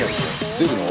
出るの？